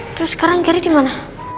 terus sekarang geri dimana